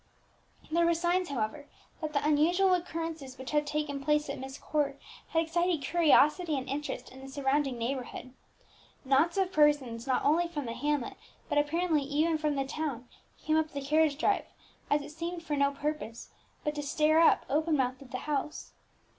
There were signs, however, that the unusual occurrences which had taken place at Myst Court had excited curiosity and interest in the surrounding neighbourhood. Knots of persons, not only from the hamlet, but apparently even from the town, came up the carriage drive, as it seemed for no purpose but to stare up, open mouthed, at the house.